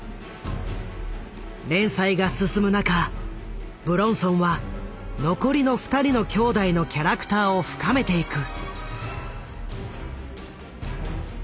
連載が進む中武論尊は残りの２人の兄弟のキャラクターを深めていく。